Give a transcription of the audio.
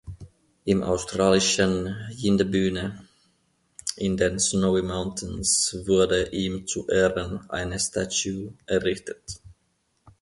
Im australischen Jindabyne in den Snowy Mountains wurde ihm zu Ehren eine Statue errichtet.